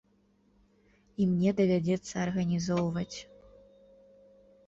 І мне давядзецца арганізоўваць.